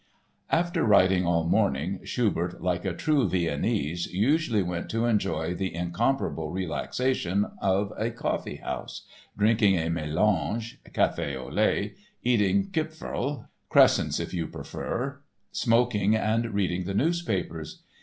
After writing all morning Schubert, like a true Viennese, usually went to enjoy the incomparable relaxation of a coffee house, drinking a Mélange (café au lait), eating Kipferl (crescents, if you prefer!), smoking and reading the newspapers.